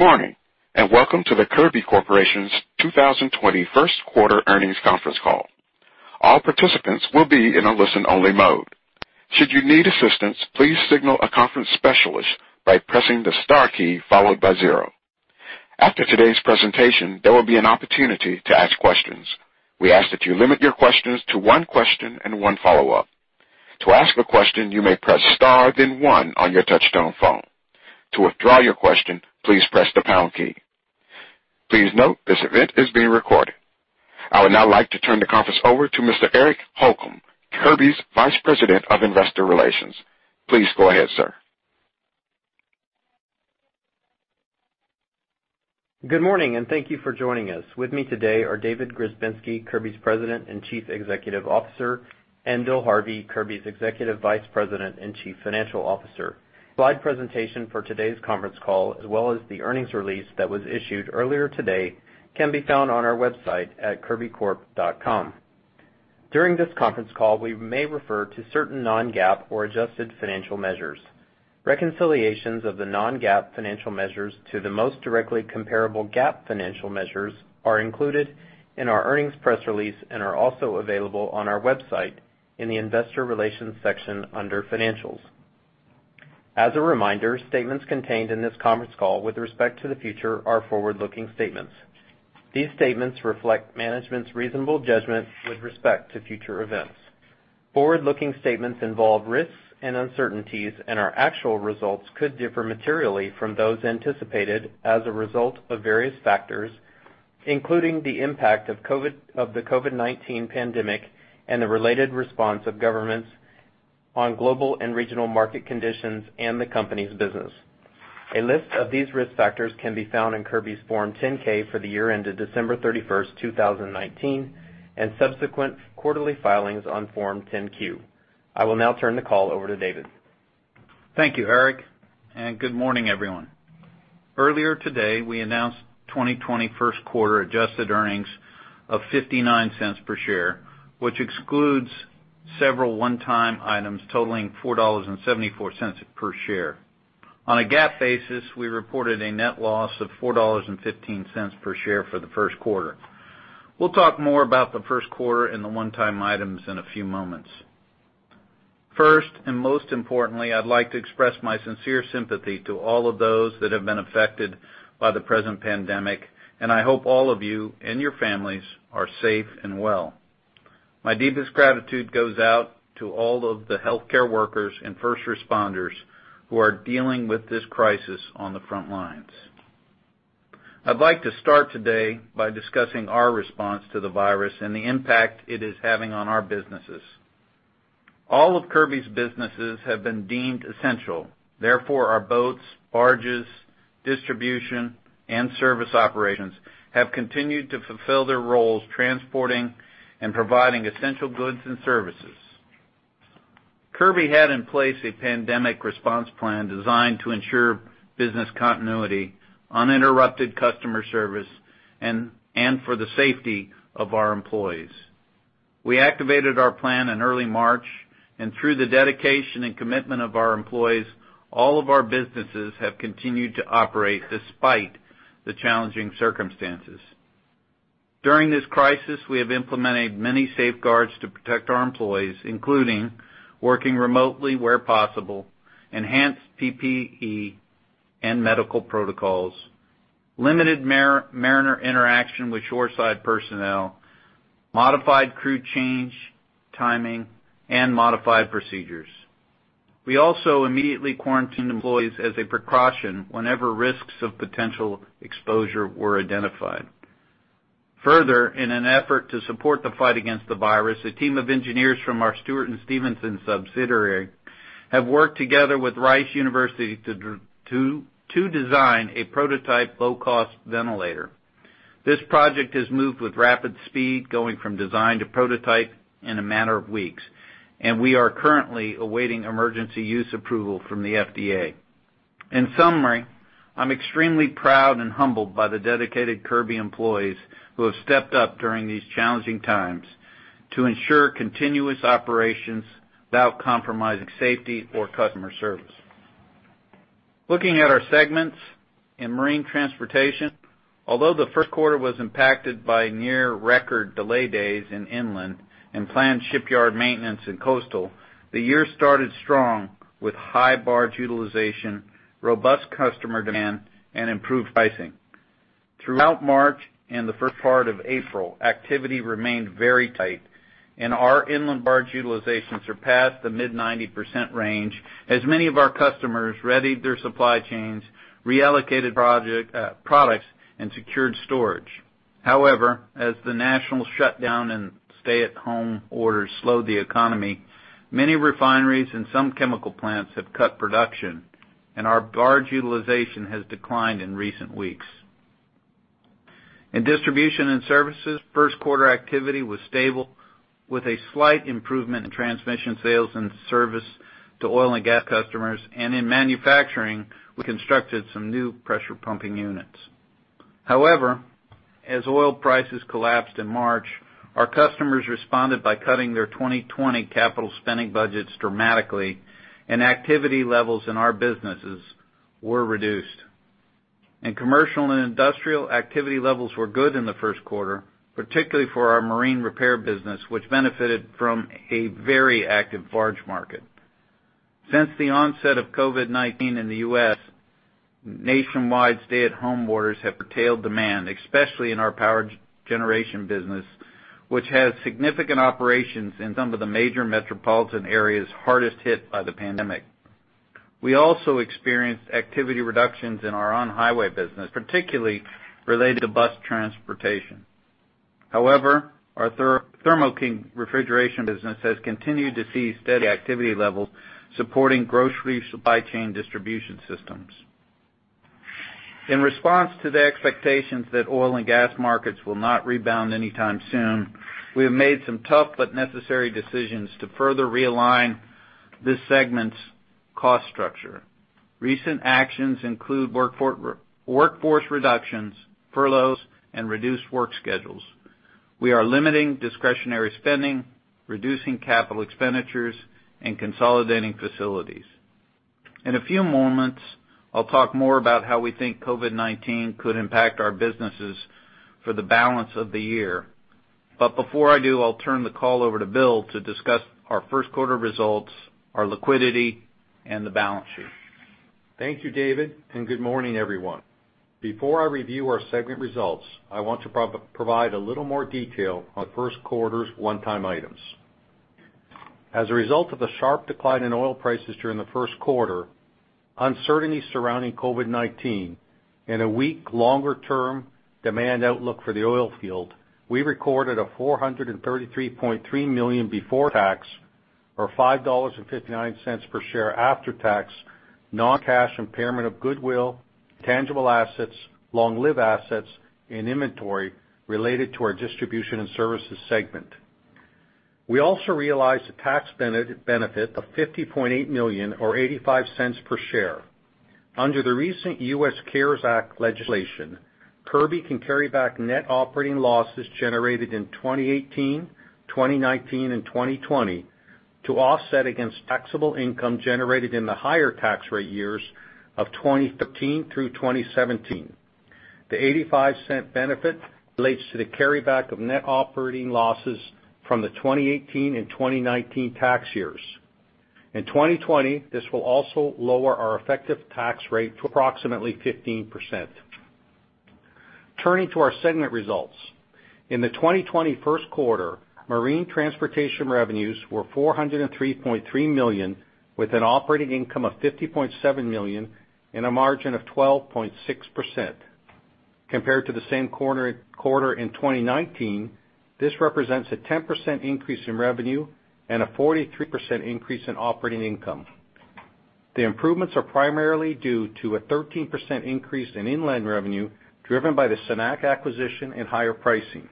Good morning. Welcome to the Kirby Corporation's 2020 first quarter earnings conference call. All participants will be in a listen-only mode. Should you need assistance, please signal a conference specialist by pressing the star key followed by zero. After today's presentation, there will be an opportunity to ask questions. We ask that you limit your questions to one question and one follow-up. To ask a question, you may press star then one on your touch-tone phone. To withdraw your question, please press the pound key. Please note this event is being recorded. I would now like to turn the conference over to Mr. Eric Holcomb, Kirby's Vice President of Investor Relations. Please go ahead, sir. Good morning. Thank you for joining us. With me today are David Grzebinski, Kirby's President and Chief Executive Officer, and Bill Harvey, Kirby's Executive Vice President and Chief Financial Officer. Slide presentation for today's conference call as well as the earnings release that was issued earlier today can be found on our website at kirbycorp.com. During this conference call, we may refer to certain non-GAAP or adjusted financial measures. Reconciliations of the non-GAAP financial measures to the most directly comparable GAAP financial measures are included in our earnings press release and are also available on our website in the investor relations section under financials. As a reminder, statements contained in this conference call with respect to the future are forward-looking statements. These statements reflect management's reasonable judgment with respect to future events. Forward-looking statements involve risks and uncertainties. Our actual results could differ materially from those anticipated as a result of various factors, including the impact of the COVID-19 pandemic and the related response of governments on global and regional market conditions and the company's business. A list of these risk factors can be found in Kirby's Form 10-K for the year ended December 31st, 2019, and subsequent quarterly filings on Form 10-Q. I will now turn the call over to David. Thank you, Eric, and good morning, everyone. Earlier today, we announced 2020 first quarter adjusted earnings of $0.59 per share, which excludes several one-time items totaling $4.74 per share. On a GAAP basis, we reported a net loss of $4.15 per share for the first quarter. First, and most importantly, I'd like to express my sincere sympathy to all of those that have been affected by the present pandemic. I hope all of you and your families are safe and well. My deepest gratitude goes out to all of the healthcare workers and first responders who are dealing with this crisis on the front lines. I'd like to start today by discussing our response to the virus and the impact it is having on our businesses. All of Kirby's businesses have been deemed essential. Therefore, our boats, barges, distribution, and service operations have continued to fulfill their roles transporting and providing essential goods and services. Kirby had in place a pandemic response plan designed to ensure business continuity, uninterrupted customer service, and for the safety of our employees. We activated our plan in early March, and through the dedication and commitment of our employees, all of our businesses have continued to operate despite the challenging circumstances. During this crisis, we have implemented many safeguards to protect our employees, including working remotely where possible, enhanced PPE and medical protocols, limited mariner interaction with shoreside personnel, modified crew change timing, and modified procedures. We also immediately quarantined employees as a precaution whenever risks of potential exposure were identified. In an effort to support the fight against the virus, a team of engineers from our Stewart & Stevenson subsidiary have worked together with Rice University to design a prototype low-cost ventilator. This project has moved with rapid speed, going from design to prototype in a matter of weeks, and we are currently awaiting emergency use approval from the FDA. In summary, I'm extremely proud and humbled by the dedicated Kirby employees who have stepped up during these challenging times to ensure continuous operations without compromising safety or customer service. Looking at our segments in marine transportation, although the first quarter was impacted by near record lay days in inland and planned shipyard maintenance in coastal, the year started strong with high barge utilization, robust customer demand, and improved pricing. Throughout March and the first part of April, activity remained very tight. Our inland barge utilization surpassed the mid-90% range as many of our customers readied their supply chains, reallocated products, and secured storage. As the national shutdown and stay-at-home orders slowed the economy, many refineries and some chemical plants have cut production, and our barge utilization has declined in recent weeks. In Distribution and Services, first quarter activity was stable with a slight improvement in transmission sales and service to oil and gas customers. In manufacturing, we constructed some new pressure pumping units. As oil prices collapsed in March, our customers responded by cutting their 2020 capital spending budgets dramatically, and activity levels in our businesses were reduced. In Commercial and Industrial, activity levels were good in the first quarter, particularly for our marine repair business, which benefited from a very active barge market. Since the onset of COVID-19 in the U.S., nationwide stay-at-home orders have curtailed demand, especially in our power generation business, which has significant operations in some of the major metropolitan areas hardest hit by the pandemic. We also experienced activity reductions in our on-highway business, particularly related to bus transportation. Our Thermo King refrigeration business has continued to see steady activity levels, supporting grocery supply chain distribution systems. In response to the expectations that oil and gas markets will not rebound anytime soon, we have made some tough but necessary decisions to further realign this segment's cost structure. Recent actions include workforce reductions, furloughs, and reduced work schedules. We are limiting discretionary spending, reducing capital expenditures, and consolidating facilities. In a few moments, I'll talk more about how we think COVID-19 could impact our businesses for the balance of the year. Before I do, I'll turn the call over to Bill to discuss our first quarter results, our liquidity, and the balance sheet. Thank you, David, and good morning, everyone. Before I review our segment results, I want to provide a little more detail on the first quarter's one-time items. As a result of the sharp decline in oil prices during the first quarter, uncertainty surrounding COVID-19, and a weak longer-term demand outlook for the oil field, we recorded a $433.3 million before tax, or $5.59 per share after tax, non-cash impairment of goodwill, tangible assets, long-lived assets and inventory related to our Kirby Distribution and Services segment. We also realized a tax benefit of $50.8 million, or $0.85 per share. Under the recent U.S. CARES Act legislation, Kirby can carry back net operating losses generated in 2018, 2019, and 2020 to offset against taxable income generated in the higher tax rate years of 2015 through 2017. The $0.85 benefit relates to the carryback of net operating losses from the 2018 and 2019 tax years. In 2020, this will also lower our effective tax rate to approximately 15%. Turning to our segment results. In the 2020 first quarter, marine transportation revenues were $403.3 million, with an operating income of $50.7 million and a margin of 12.6%. Compared to the same quarter in 2019, this represents a 10% increase in revenue and a 43% increase in operating income. The improvements are primarily due to a 13% increase in inland revenue, driven by the Cenac acquisition and higher pricing.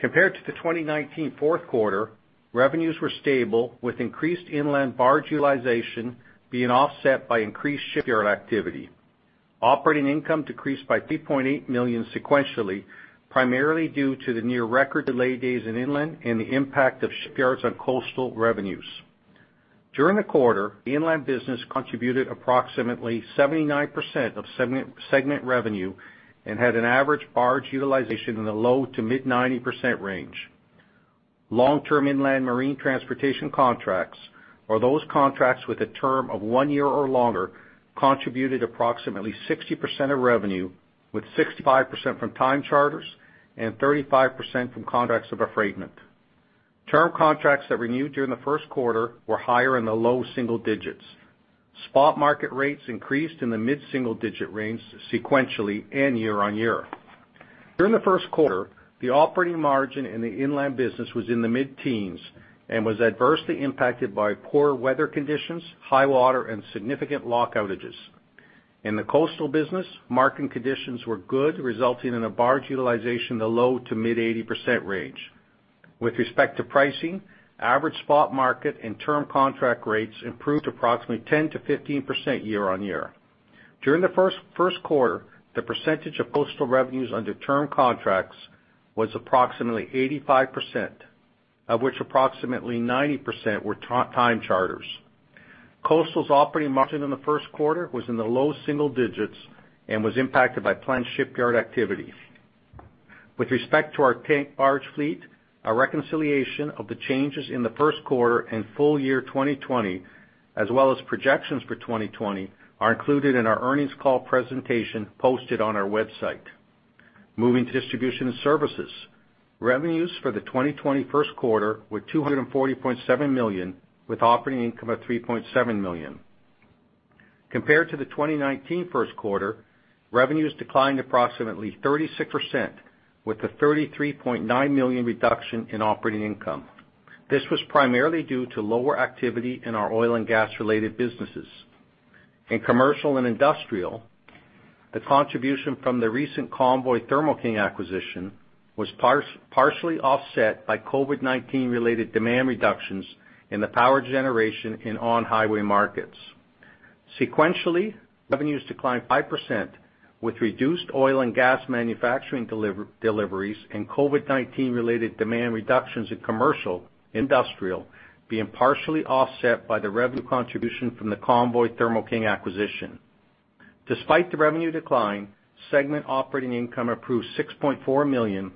Compared to the 2019 fourth quarter, revenues were stable, with increased inland barge utilization being offset by increased shipyard activity. Operating income decreased by $3.8 million sequentially, primarily due to the near record lay days in inland and the impact of shipyards on coastal revenues. During the quarter, the inland business contributed approximately 79% of segment revenue and had an average barge utilization in the low to mid-90% range. Long-term inland marine transportation contracts, or those contracts with a term of one year or longer, contributed approximately 60% of revenue, with 65% from time charters and 35% from contracts of affreightment. Term contracts that renewed during the first quarter were higher in the low double digits. Spot market rates increased in the mid-single digit range sequentially and year-on-year. During the first quarter, the operating margin in the inland business was in the mid-teens and was adversely impacted by poor weather conditions, high water, and significant lock outages. In the coastal business, market conditions were good, resulting in a barge utilization in the low to mid-80% range. With respect to pricing, average spot market and term contract rates improved approximately 10%-15% year-on-year. During the first quarter, the percentage of coastal revenues under term contracts was approximately 85%, of which approximately 90% were time charters. Coastal's operating margin in the first quarter was in the low single digits and was impacted by planned shipyard activity. With respect to our tank barge fleet, a reconciliation of the changes in the first quarter and full year 2020, as well as projections for 2020, are included in our earnings call presentation posted on our website. Moving to Distribution and Services. Revenues for the 2020 first quarter were $240.7 million, with operating income of $3.7 million. Compared to the 2019 first quarter, revenues declined approximately 36%, with a $33.9 million reduction in operating income. This was primarily due to lower activity in our oil and gas-related businesses. In commercial and industrial, the contribution from the recent Convoy Thermo King acquisition was partially offset by COVID-19-related demand reductions in the power generation and on-highway markets. Sequentially, revenues declined 5%, with reduced oil and gas manufacturing deliveries and COVID-19 related demand reductions in commercial and industrial, being partially offset by the revenue contribution from the Convoy Thermo King acquisition. Despite the revenue decline, segment operating income improved $6.4 million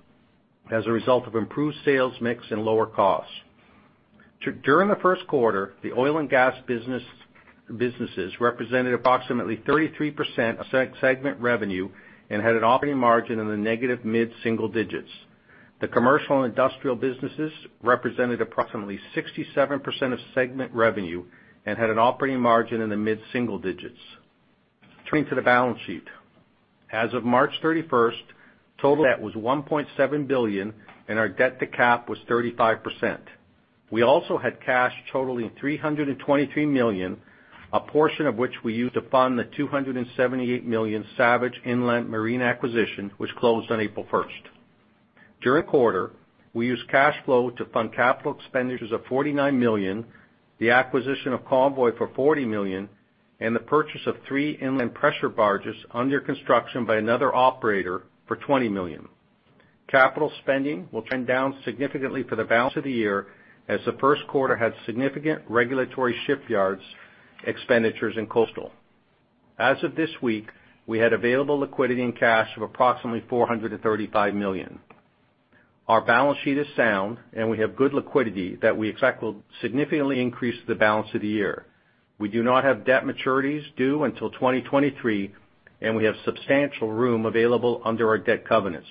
as a result of improved sales mix and lower costs. During the first quarter, the oil and gas businesses represented approximately 33% of segment revenue and had an operating margin in the negative mid-single digits. The commercial and industrial businesses represented approximately 67% of segment revenue and had an operating margin in the mid-single digits. Turning to the balance sheet. As of March 31st, total debt was $1.7 billion, and our debt to cap was 35%. We also had cash totaling $323 million, a portion of which we used to fund the $278 million Savage Inland Marine acquisition, which closed on April 1st. During the quarter, we used cash flow to fund capital expenditures of $49 million, the acquisition of Convoy for $40 million, and the purchase of three inland pressure barges under construction by another operator for $20 million. Capital spending will trend down significantly for the balance of the year, as the first quarter had significant regulatory shipyards expenditures in coastal. As of this week, we had available liquidity in cash of approximately $435 million. Our balance sheet is sound, and we have good liquidity that we expect will significantly increase the balance of the year. We do not have debt maturities due until 2023, and we have substantial room available under our debt covenants.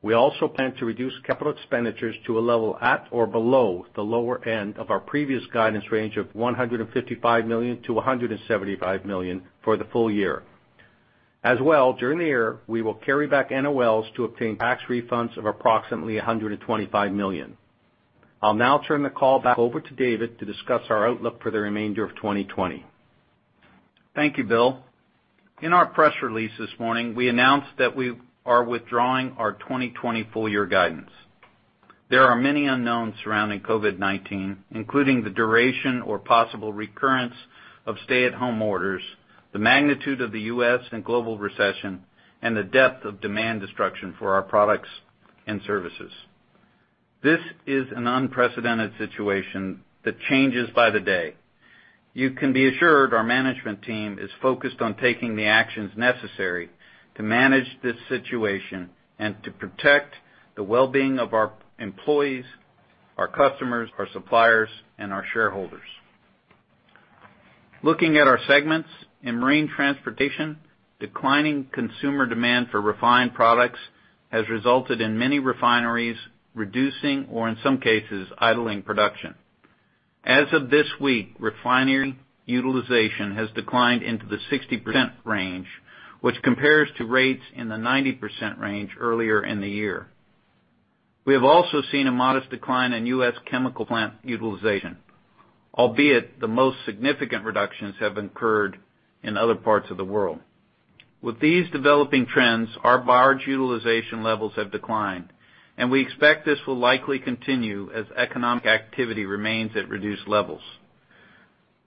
We also plan to reduce capital expenditures to a level at or below the lower end of our previous guidance range of $155 million-$175 million for the full year. As well, during the year, we will carry back NOLs to obtain tax refunds of approximately $125 million. I'll now turn the call back over to David to discuss our outlook for the remainder of 2020. Thank you, Bill. In our press release this morning, we announced that we are withdrawing our 2020 full year guidance. There are many unknowns surrounding COVID-19, including the duration or possible recurrence of stay at home orders, the magnitude of the U.S. and global recession, and the depth of demand destruction for our products and services. This is an unprecedented situation that changes by the day. You can be assured our management team is focused on taking the actions necessary to manage this situation and to protect the well-being of our employees, our customers, our suppliers, and our shareholders. Looking at our segments, in marine transportation, declining consumer demand for refined products has resulted in many refineries reducing or in some cases, idling production. As of this week, refinery utilization has declined into the 60% range, which compares to rates in the 90% range earlier in the year. We have also seen a modest decline in U.S. chemical plant utilization, albeit the most significant reductions have occurred in other parts of the world. With these developing trends, our barge utilization levels have declined. We expect this will likely continue as economic activity remains at reduced levels.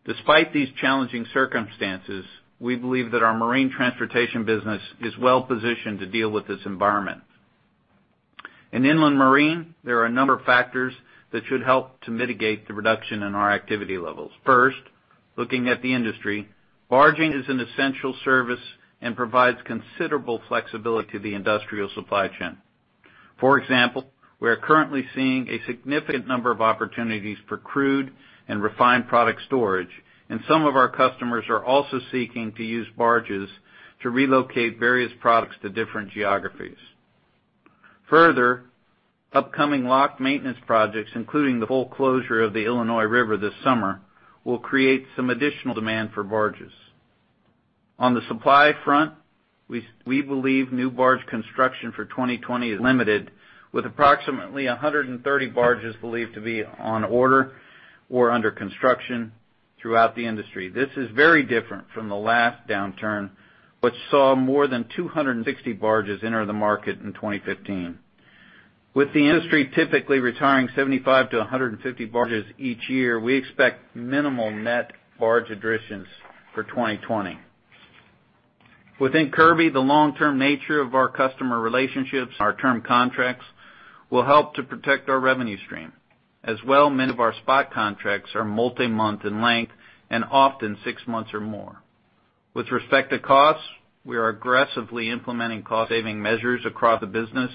Despite these challenging circumstances, we believe that our marine transportation business is well-positioned to deal with this environment. In inland marine, there are a number of factors that should help to mitigate the reduction in our activity levels. First, looking at the industry, barging is an essential service and provides considerable flexibility to the industrial supply chain. For example, we are currently seeing a significant number of opportunities for crude and refined product storage. Some of our customers are also seeking to use barges to relocate various products to different geographies. Further, upcoming lock maintenance projects, including the full closure of the Illinois River this summer, will create some additional demand for barges. On the supply front, we believe new barge construction for 2020 is limited, with approximately 130 barges believed to be on order or under construction throughout the industry. This is very different from the last downturn, which saw more than 260 barges enter the market in 2015. With the industry typically retiring 75-150 barges each year, we expect minimal net barge additions for 2020. Within Kirby, the long-term nature of our customer relationships and our term contracts will help to protect our revenue stream. As well, many of our spot contracts are multi-month in length, often six months or more. With respect to costs, we are aggressively implementing cost-saving measures across the business,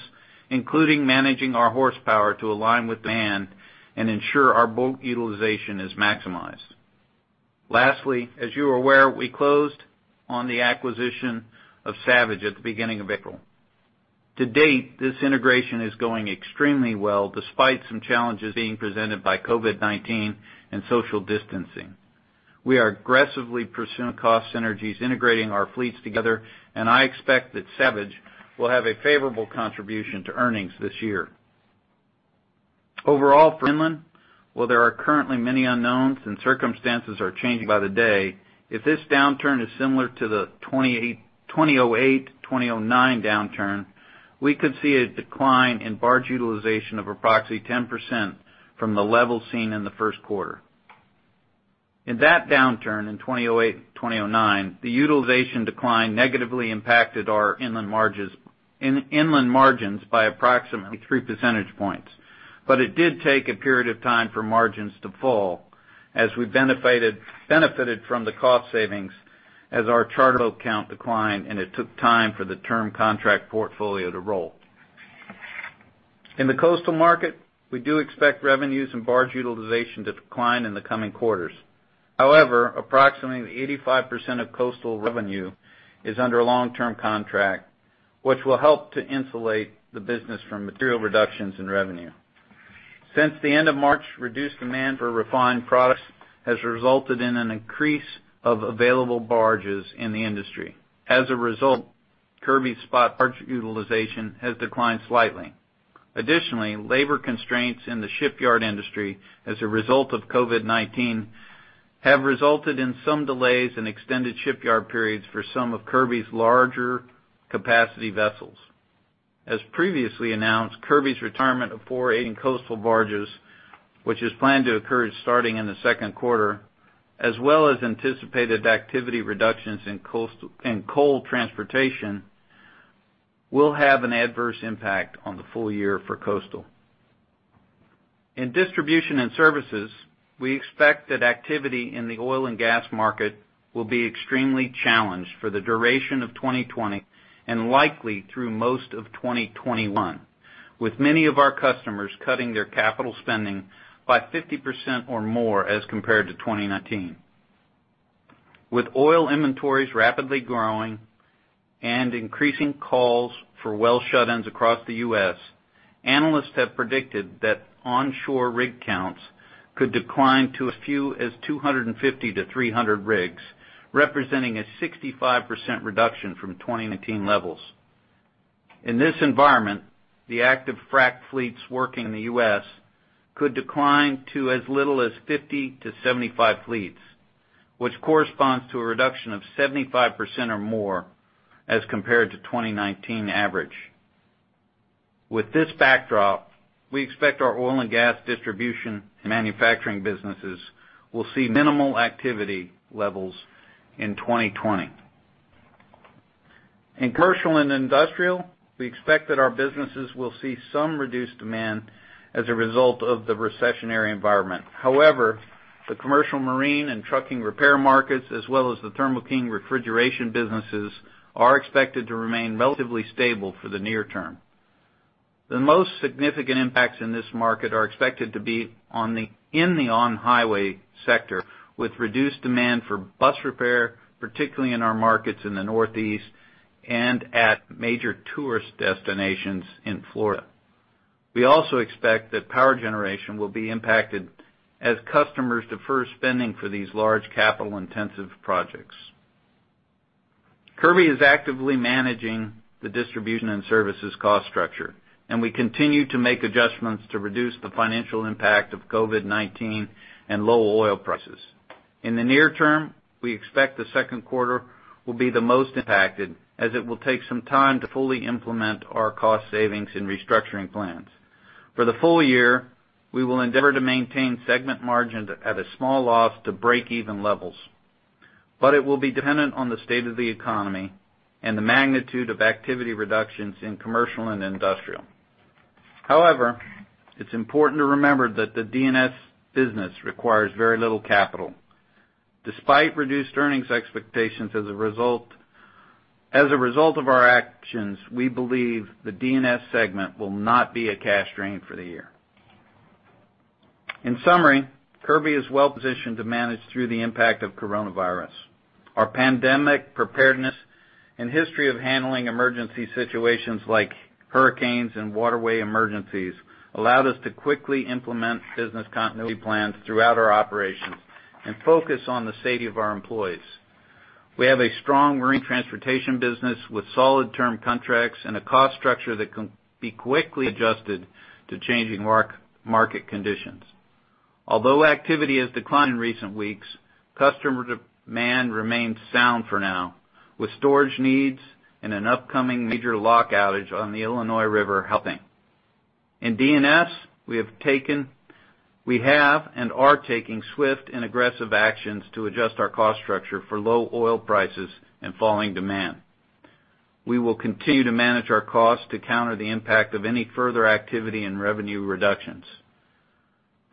including managing our horsepower to align with demand to ensure our boat utilization is maximized. Lastly, as you are aware, we closed on the acquisition of Savage at the beginning of April. To date, this integration is going extremely well, despite some challenges being presented by COVID-19 and social distancing. We are aggressively pursuing cost synergies, integrating our fleets together. I expect that Savage will have a favorable contribution to earnings this year. Overall for inland, while there are currently many unknowns and circumstances are changing by the day, if this downturn is similar to the 2008-2009 downturn, we could see a decline in barge utilization of approximately 10% from the level seen in the first quarter. In that downturn in 2008-2009, the utilization decline negatively impacted our inland margins by approximately three percentage points. It did take a period of time for margins to fall as we benefited from the cost savings as our charter boat count declined, and it took time for the term contract portfolio to roll. In the coastal market, we do expect revenues and barge utilization to decline in the coming quarters. However, approximately 85% of coastal revenue is under a long-term contract, which will help to insulate the business from material reductions in revenue. Since the end of March, reduced demand for refined products has resulted in an increase of available barges in the industry. As a result, Kirby's spot barge utilization has declined slightly. Additionally, labor constraints in the shipyard industry, as a result of COVID-19, have resulted in some delays in extended shipyard periods for some of Kirby's larger capacity vessels. As previously announced, Kirby's retirement of 480 coastal barges, which is planned to occur starting in the second quarter, as well as anticipated activity reductions in coal transportation, will have an adverse impact on the full year for coastal. In distribution and services, we expect that activity in the oil and gas market will be extremely challenged for the duration of 2020 and likely through most of 2021, with many of our customers cutting their capital spending by 50% or more as compared to 2019. With oil inventories rapidly growing and increasing calls for well shut-ins across the U.S., analysts have predicted that onshore rig counts could decline to as few as 250 to 300 rigs, representing a 65% reduction from 2019 levels. In this environment, the active frack fleets working in the U.S. could decline to as little as 50 to 75 fleets, which corresponds to a reduction of 75% or more as compared to 2019 average. With this backdrop, we expect our oil and gas distribution manufacturing businesses will see minimal activity levels in 2020. In commercial and industrial, we expect that our businesses will see some reduced demand as a result of the recessionary environment. However, the commercial marine and trucking repair markets, as well as the Thermo King refrigeration businesses, are expected to remain relatively stable for the near term. The most significant impacts in this market are expected to be in the on-highway sector, with reduced demand for bus repair, particularly in our markets in the Northeast and at major tourist destinations in Florida. We also expect that power generation will be impacted as customers defer spending for these large capital-intensive projects. Kirby is actively managing the distribution and services cost structure, and we continue to make adjustments to reduce the financial impact of COVID-19 and low oil prices. In the near term, we expect the second quarter will be the most impacted, as it will take some time to fully implement our cost savings and restructuring plans. For the full year, we will endeavor to maintain segment margins at a small loss to break-even levels. It will be dependent on the state of the economy and the magnitude of activity reductions in commercial and industrial. However, it's important to remember that the DNS business requires very little capital. Despite reduced earnings expectations as a result of our actions, we believe the DNS segment will not be a cash drain for the year. In summary, Kirby is well-positioned to manage through the impact of coronavirus. Our pandemic preparedness and history of handling emergency situations like hurricanes and waterway emergencies allowed us to quickly implement business continuity plans throughout our operations and focus on the safety of our employees. We have a strong marine transportation business with solid term contracts and a cost structure that can be quickly adjusted to changing market conditions. Although activity has declined in recent weeks, customer demand remains sound for now, with storage needs and an upcoming major lock outage on the Illinois River helping. In DNS, we have and are taking swift and aggressive actions to adjust our cost structure for low oil prices and falling demand. We will continue to manage our costs to counter the impact of any further activity and revenue reductions.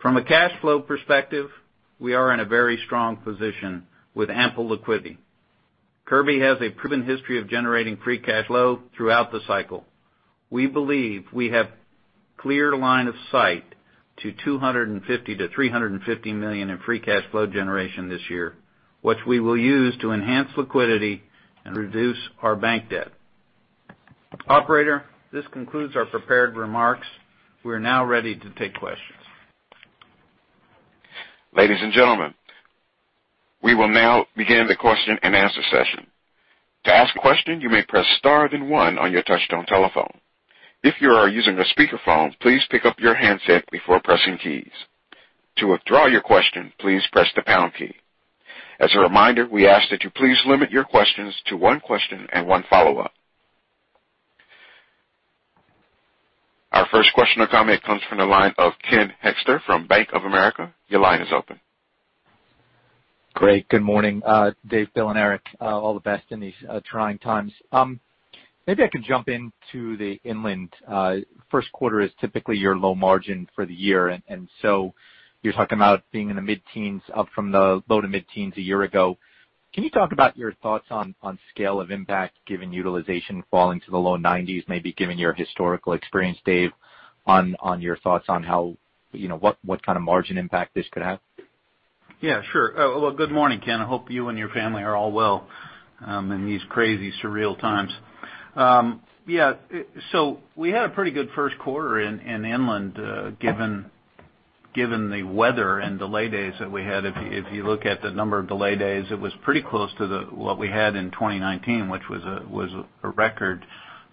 From a cash flow perspective, we are in a very strong position with ample liquidity. Kirby has a proven history of generating free cash flow throughout the cycle. We believe we have clear line of sight to $250 million-$350 million in free cash flow generation this year, which we will use to enhance liquidity and reduce our bank debt. Operator, this concludes our prepared remarks. We are now ready to take questions. Ladies and gentlemen, we will now begin the question-and-answer session. To ask a question, you may press star, then one on your touchtone telephone. If you are using a speakerphone, please pick up your handset before pressing keys. To withdraw your question, please press the pound key. As a reminder, we ask that you please limit your questions to one question and one follow-up. Our first question or comment comes from the line of Ken Hoexter from Bank of America. Your line is open. Great. Good morning, Dave, Bill, and Eric. All the best in these trying times. Maybe I can jump into the inland. First quarter is typically your low margin for the year. You're talking about being in the mid-teens, up from the low to mid-teens a year ago. Can you talk about your thoughts on scale of impact given utilization falling to the low nineties, maybe given your historical experience, Dave, on your thoughts on what kind of margin impact this could have? Yeah, sure. Good morning, Ken. I hope you and your family are all well in these crazy, surreal times. We had a pretty good first quarter in inland, given the weather and delay days that we had. If you look at the number of delay days, it was pretty close to what we had in 2019, which was a record.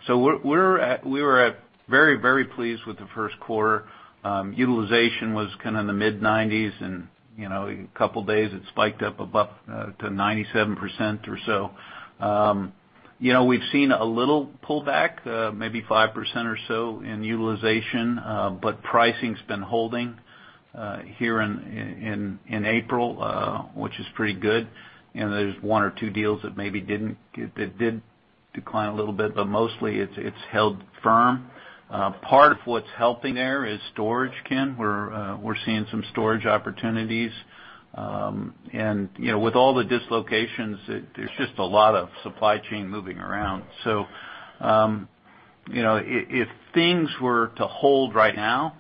We were very, very pleased with the first quarter. Utilization was in the mid-nineties, and a couple of days it spiked up above to 97% or so. We've seen a little pullback, maybe 5% or so in utilization, but pricing has been holding here in April, which is pretty good. There's one or two deals that maybe did decline a little bit, but mostly it's held firm. Part of what's helping there is storage, Ken. We're seeing some storage opportunities. With all the dislocations, there's just a lot of supply chain moving around. If things were to hold right now,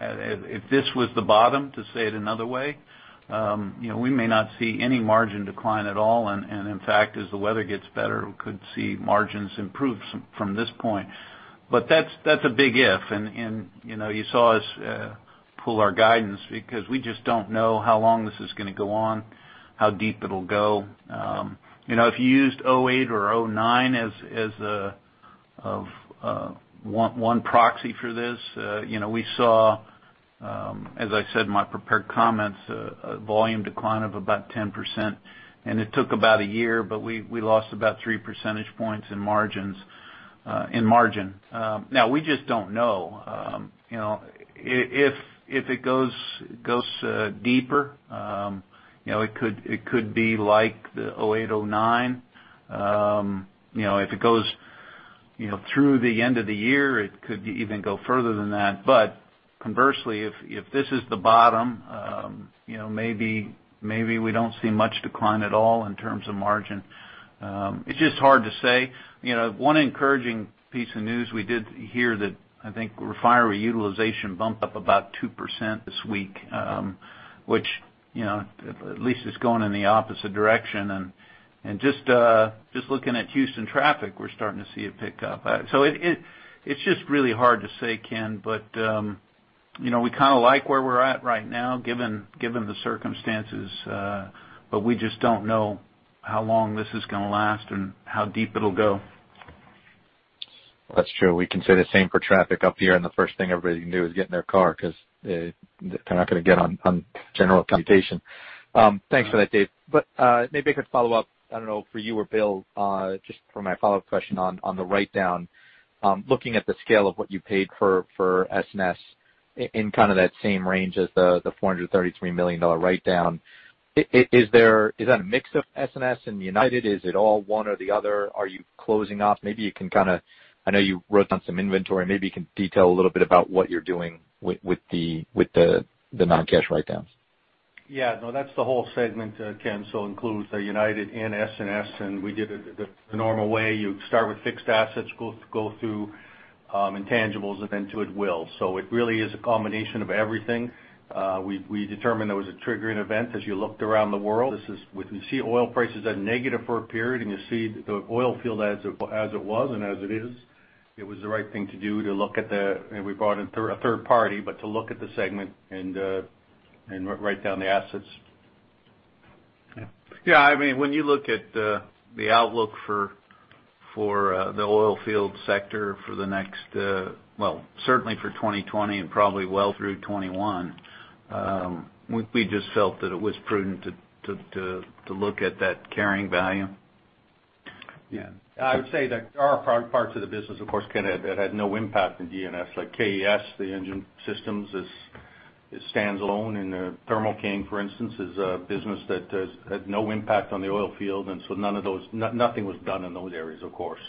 if this was the bottom, to say it another way, we may not see any margin decline at all. In fact, as the weather gets better, we could see margins improve from this point. That's a big if. You saw us pull our guidance because we just don't know how long this is going to go on, how deep it'll go. If you used '08 or '09 as one proxy for this, we saw, as I said in my prepared comments, a volume decline of about 10%, and it took about a year, but we lost about three percentage points in margin. Now, we just don't know. If it goes deeper, it could be like the '08, '09. If it goes through the end of the year, it could even go further than that. Conversely, if this is the bottom, maybe we don't see much decline at all in terms of margin. It's just hard to say. One encouraging piece of news we did hear that, I think, refinery utilization bumped up about 2% this week, which at least is going in the opposite direction. Just looking at Houston traffic, we're starting to see it pick up. It's just really hard to say, Ken. We kind of like where we're at right now, given the circumstances. We just don't know how long this is going to last and how deep it'll go. That's true. We can say the same for traffic up here, the first thing everybody can do is get in their car because they're not going to get on general commutation. Thanks for that, Dave. Maybe I could follow up, I don't know, for you or Bill, just for my follow-up question on the write-down. Looking at the scale of what you paid for S&S in that same range as the $433 million write-down, is that a mix of S&S and United? Is it all one or the other? Are you closing off? I know you wrote down some inventory. Maybe you can detail a little bit about what you're doing with the non-cash write-downs. Yeah. No, that's the whole segment, Ken. Includes United and S&S, we did it the normal way. You start with fixed assets, go through intangibles, then to goodwill. It really is a combination of everything. We determined there was a triggering event as you looked around the world. When you see oil prices at negative for a period, you see the oil field as it was and as it is, it was the right thing to do And we brought in a third party, but to look at the segment and write down the assets. Yeah. When you look at the outlook for the oil field sector for the next, well certainly for 2020 and probably well through 2021, we just felt that it was prudent to look at that carrying value. Yeah. I would say that there are parts of the business, of course, Ken, that had no impact in DNS. Like KES, the engine systems, it stands alone, and Thermo King, for instance, is a business that had no impact on the oil field, and so nothing was done in those areas, of course.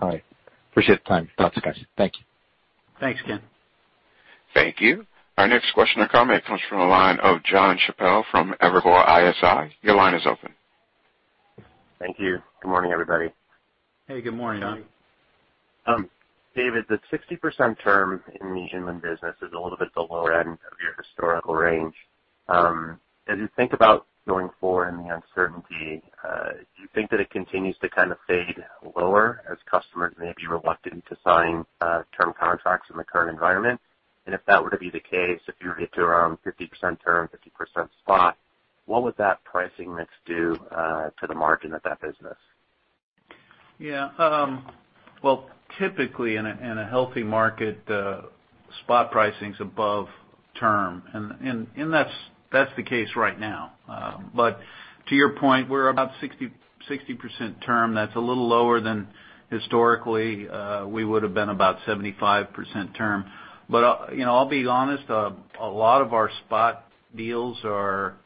All right. Appreciate the time. Lots of questions. Thank you. Thanks, Ken. Thank you. Our next question or comment comes from the line of Jon Chappell from Evercore ISI. Your line is open. Thank you. Good morning, everybody. Hey, good morning, Jon. David, the 60% term in the inland business is a little bit at the lower end of your historical range. As you think about going forward and the uncertainty, do you think that it continues to kind of fade lower as customers may be reluctant to sign term contracts in the current environment? If that were to be the case, if you were to get to around 50% term, 50% spot, what would that pricing mix do to the margin of that business? Yeah. Well, typically in a healthy market, spot pricing's above term, and that's the case right now. To your point, we're about 60% term. That's a little lower than historically. We would've been about 75% term. I'll be honest, a lot of our spot deals are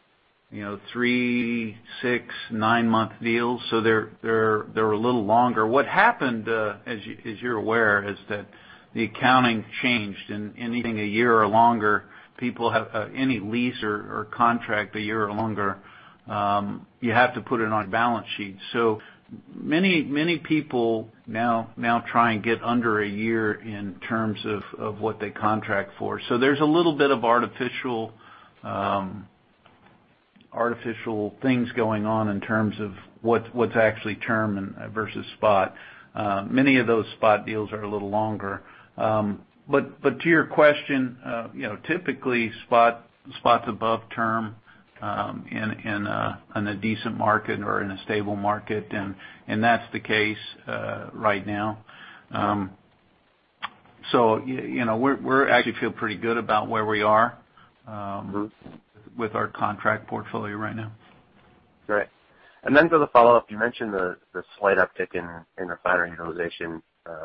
three, six, nine-month deals, so they're a little longer. What happened, as you're aware, is that the accounting changed, and anything a year or longer, any lease or contract a year or longer, you have to put it on balance sheets. Many people now try and get under a year in terms of what they contract for. There's a little bit of artificial things going on in terms of what's actually term versus spot. Many of those spot deals are a little longer. To your question, typically spot's above term in a decent market or in a stable market, and that's the case right now. We actually feel pretty good about where we are with our contract portfolio right now. Great. Then for the follow-up, you mentioned the slight uptick in refinery utilization,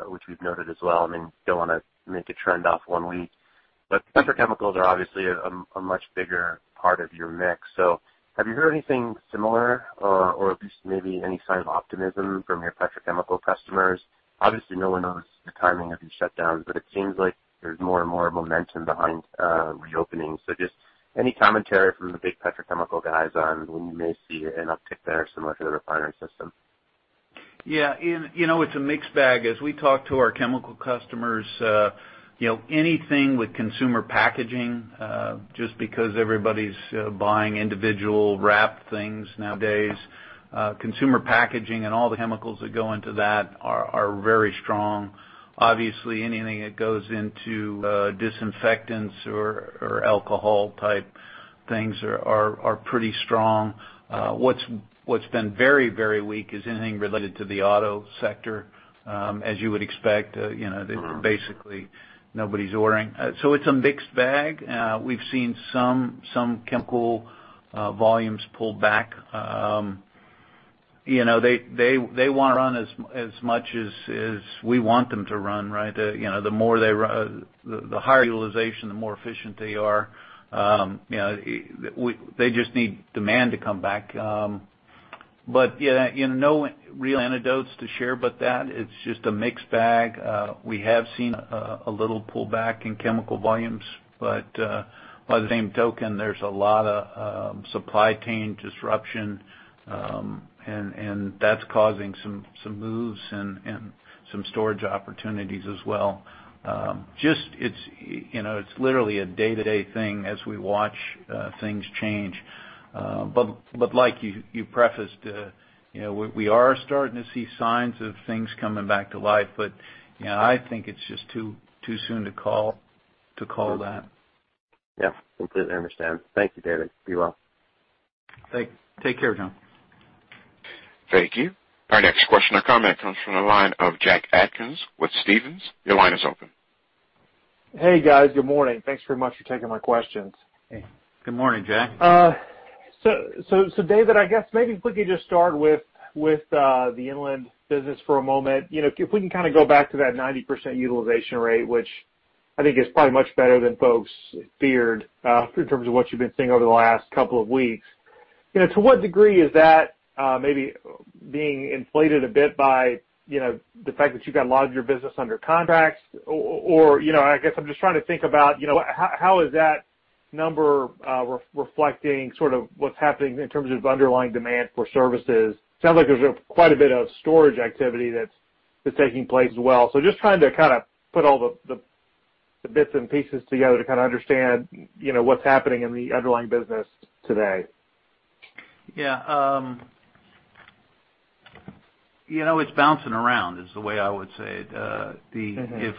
which we've noted as well. I mean, don't want to make a trend off one week, but petrochemicals are obviously a much bigger part of your mix. Have you heard anything similar or at least maybe any sign of optimism from your petrochemical customers? Obviously, no one knows the timing of these shutdowns, but it seems like there's more and more momentum behind reopenings. Just any commentary from the big petrochemical guys on when you may see an uptick there similar to the refinery system? Yeah. It's a mixed bag. As we talk to our chemical customers, anything with consumer packaging, just because everybody's buying individual wrapped things nowadays, consumer packaging and all the chemicals that go into that are very strong. Obviously, anything that goes into disinfectants or alcohol type things are pretty strong. What's been very weak is anything related to the auto sector. As you would expect, basically nobody's ordering. It's a mixed bag. We've seen some chemical volumes pull back. They want to run as much as we want them to run, right? The higher utilization, the more efficient they are. They just need demand to come back. Yeah, no real anecdotes to share but that. It's just a mixed bag. We have seen a little pullback in chemical volumes, by the same token, there's a lot of supply chain disruption, and that's causing some moves and some storage opportunities as well. Just it's literally a day-to-day thing as we watch things change. Like you prefaced, we are starting to see signs of things coming back to life. I think it's just too soon to call that. Yeah. Completely understand. Thank you, David. Be well. Take care, Jon. Thank you. Our next question or comment comes from the line of Jack Atkins with Stephens. Your line is open. Hey, guys. Good morning. Thanks very much for taking my questions. Hey, good morning, Jack. David, I guess maybe quickly just start with the inland business for a moment. If we can kind of go back to that 90% utilization rate, which I think is probably much better than folks feared, in terms of what you've been seeing over the last couple of weeks. To what degree is that maybe being inflated a bit by the fact that you've got a lot of your business under contracts or, I guess I'm just trying to think about how is that number reflecting sort of what's happening in terms of underlying demand for services? Sounds like there's quite a bit of storage activity that's taking place as well. Just trying to kind of put all the bits and pieces together to kind of understand what's happening in the underlying business today. Yeah. It's bouncing around is the way I would say it.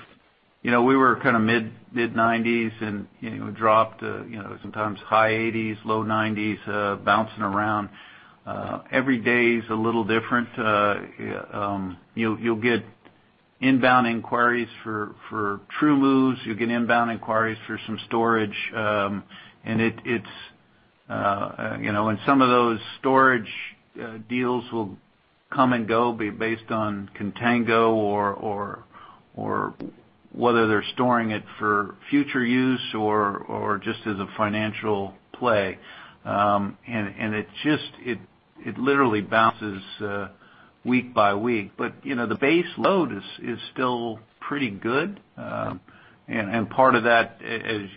We were kind of mid-90s and dropped to sometimes high 80s, low 90s, bouncing around. Every day is a little different. You'll get inbound inquiries for true moves. You'll get inbound inquiries for some storage. Some of those storage deals will come and go based on contango or whether they're storing it for future use or just as a financial play. It literally bounces week by week. The base load is still pretty good. Part of that,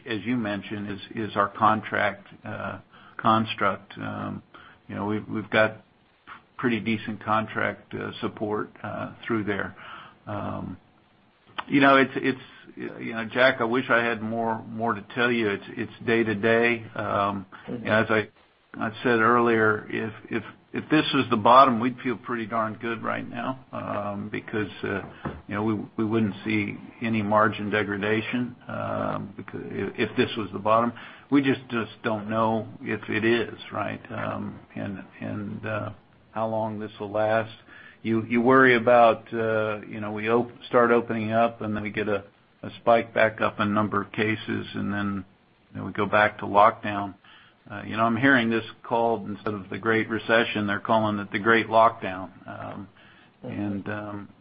as you mentioned, is our contract construct. We've got pretty decent contract support through there. Jack, I wish I had more to tell you. It's day to day. As I said earlier, if this was the bottom, we'd feel pretty darn good right now, because we wouldn't see any margin degradation, if this was the bottom. We just don't know if it is, right? How long this will last. You worry about we start opening up and then we get a spike back up in number of cases, and then we go back to lockdown. I'm hearing this called, instead of the Great Recession, they're calling it the Great Lockdown.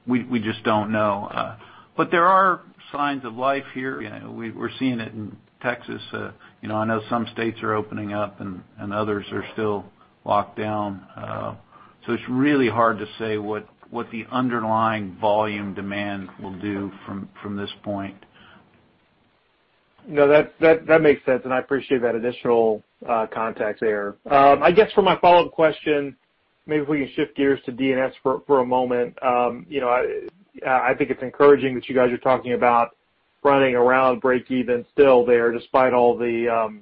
We just don't know. There are signs of life here. We're seeing it in Texas. I know some states are opening up and others are still locked down. It's really hard to say what the underlying volume demand will do from this point. No, that makes sense, I appreciate that additional context there. I guess for my follow-up question, maybe if we can shift gears to DNS for a moment. I think it's encouraging that you guys are talking about running around breakeven still there, despite all the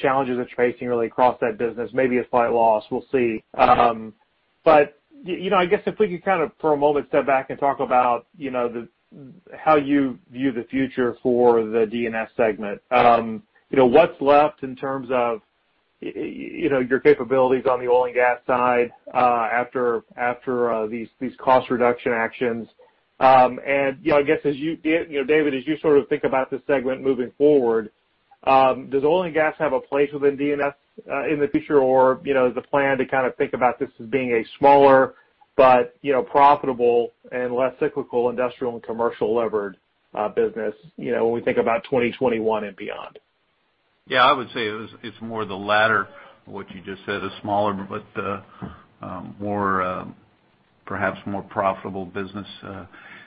challenges that you're facing really across that business. Maybe a slight loss, we'll see. I guess if we could kind of, for a moment, step back and talk about how you view the future for the DNS segment. What's left in terms of your capabilities on the oil and gas side after these cost reduction actions? I guess, David, as you sort of think about this segment moving forward, does oil and gas have a place within DNS in the future? Is the plan to kind of think about this as being a smaller but profitable and less cyclical industrial and commercial levered business when we think about 2021 and beyond? Yeah, I would say it's more the latter of what you just said, a smaller but perhaps more profitable business.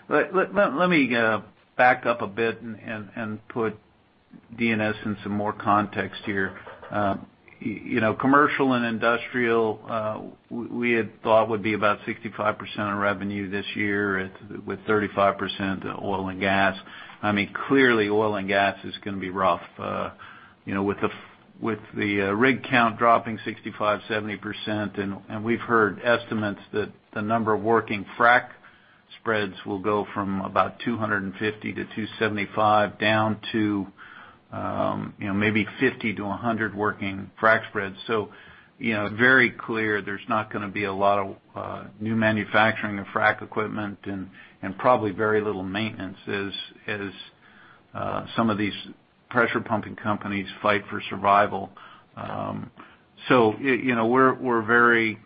Let me back up a bit and put DNS in some more context here. Commercial and industrial, we had thought would be about 65% of revenue this year, with 35% oil and gas. Clearly oil and gas is going to be rough. With the rig count dropping 65%-70%, and we've heard estimates that the number of working frack spreads will go from about 250-275 down to maybe 50-100 working frack spreads. Very clear there's not going to be a lot of new manufacturing of frack equipment and probably very little maintenance as some of these pressure pumping companies fight for survival. We're very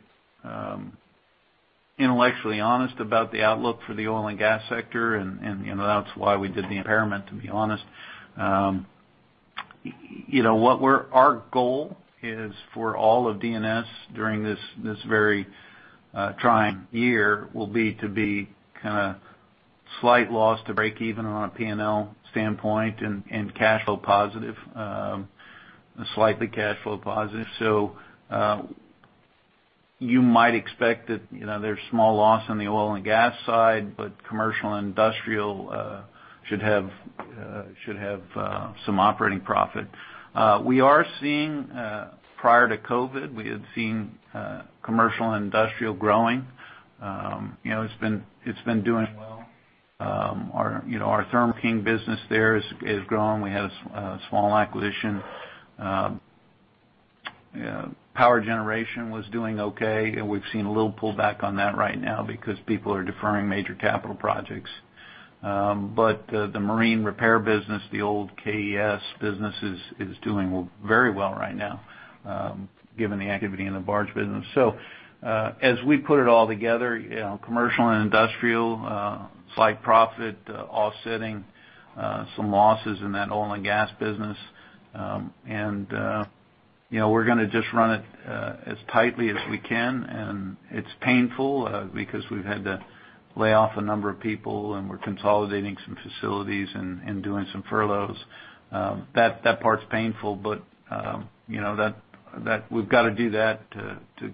intellectually honest about the outlook for the oil and gas sector, and that's why we did the impairment, to be honest. Our goal is for all of DNS during this very trying year will be to be kind of slight loss to breakeven on a P&L standpoint and cash flow positive, slightly cash flow positive. You might expect that there's small loss on the oil and gas side, but commercial and industrial should have some operating profit. Prior to COVID, we had seen commercial and industrial growing. It's been doing well. Our Thermo King business there has grown. We had a small acquisition. Power generation was doing okay, and we've seen a little pullback on that right now because people are deferring major capital projects. The marine repair business, the old KES business, is doing very well right now given the activity in the barge business. As we put it all together, commercial and industrial, slight profit offsetting some losses in that oil and gas business. We're going to just run it as tightly as we can, and it's painful because we've had to lay off a number of people, and we're consolidating some facilities and doing some furloughs. That part's painful, but we've got to do that to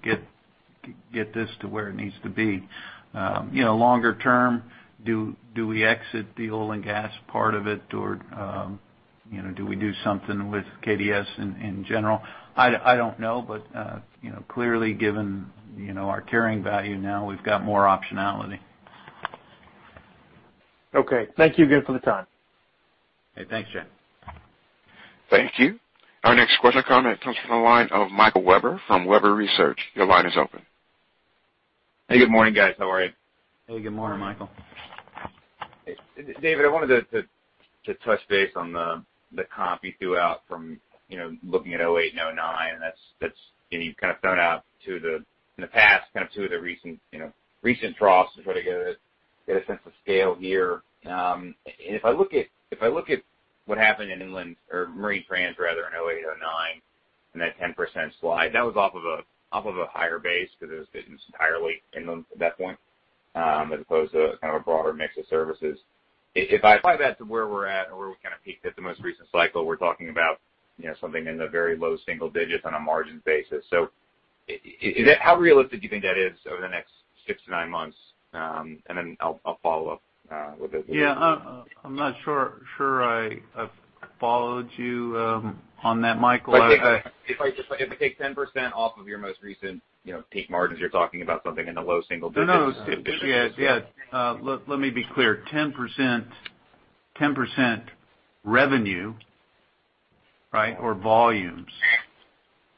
get this to where it needs to be. Longer term, do we exit the oil and gas part of it, or do we do something with KDS in general? I don't know, but clearly given our carrying value now, we've got more optionality. Okay. Thank you again for the time. Hey, thanks, Jack. Thank you. Our next question comment comes from the line of Michael Webber from Webber Research. Your line is open. Hey, good morning, guys. How are you? Hey, good morning, Michael. David, I wanted to touch base on the comp you threw out from looking at 2008 and 2009, that's been kind of thrown out in the past, kind of two of the recent troughs to try to get a sense of scale here. If I look at what happened in Marine Trans in 2008 and 2009, that 10% slide, that was off of a higher base because it was business entirely at that point as opposed to kind of a broader mix of services. If I apply that to where we're at or where we kind of peaked at the most recent cycle, we're talking about something in the very low single digits on a margin basis. How realistic do you think that is over the next 6 to 9 months? I'll follow up with. Yeah. I'm not sure I've followed you on that, Michael. If I take 10% off of your most recent peak margins, you're talking about something in the low single digits. No. Yeah. Let me be clear, 10% revenue, right? Or volumes.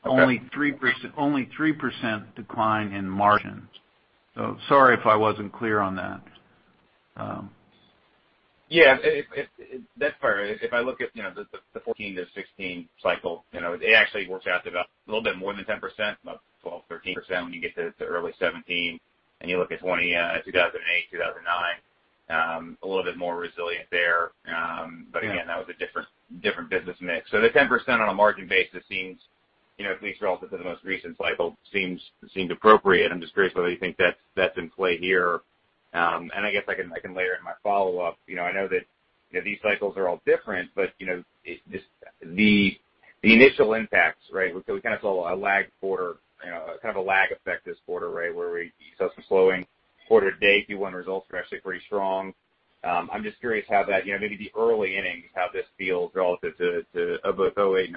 Okay. Only 3% decline in margins. Sorry if I wasn't clear on that. Yeah. If I look at the 2014 to 2016 cycle, it actually works out to about a little bit more than 10%, about 12%, 13% when you get to early 2017. You look at 2008, 2009, a little bit more resilient there. Yeah. Again, that was a different business mix. The 10% on a margin basis seems, at least relative to the most recent cycle, seemed appropriate. I'm just curious whether you think that's in play here. I guess I can layer in my follow-up. I know that these cycles are all different, the initial impacts, right? We kind of saw a lag quarter, kind of a lag effect this quarter, right? Where we saw some slowing quarter to date. Q1 results were actually pretty strong. I'm just curious how that, maybe the early innings, how this feels relative to both 2008 and 2009